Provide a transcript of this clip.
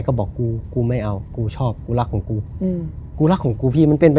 แกก็บอกกู